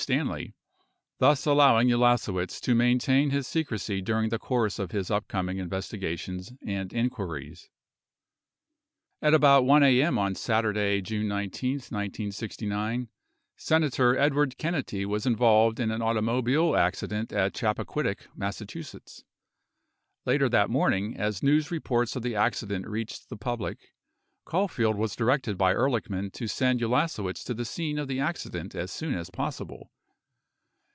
Stanley, 10 thus allowing Ulasewicz to maintain his secrecy during the course of his upcoming investiga tions and inquiries. At about 1 a.m. on Saturday, July 19, 1969, Senator Edward Ken nedy was involved in an automobile accident at Chappaquiddick, Mass. Later that morning, as news reports of the accident reached the public, Caulfield was directed by Ehrlichman to send Ulasewicz to the scene of the accident as soon as possible.